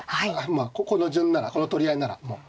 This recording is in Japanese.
まあこの順ならこの取り合いならもう。